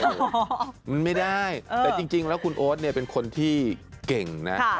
มันไม่ได้แต่จริงแล้วคุณโอ๊ตเนี่ยเป็นคนที่เก่งนะ